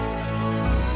waduh selamat malam